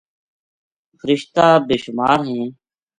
فرشتہ بے شمار ہیں۔